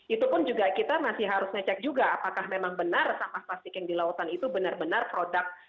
itu pun juga kita masih harus ngecek juga apakah memang benar sampah plastik yang di lautan itu benar benar produk